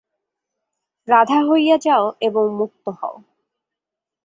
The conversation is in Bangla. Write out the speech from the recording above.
রাধা হইয়া যাও এবং মুক্ত হও।